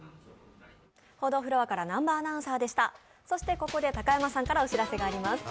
ここで高山さんからお知らせがあります。